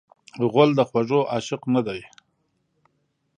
غول د خوږو عاشق نه دی.